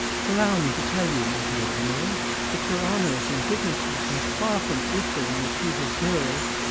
"Allow me to tell you, my dear Emiral, that your honours and dignities are far from equalling what you deserve.